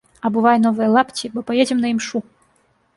Абувай новыя лапці, бо паедзем на імшу!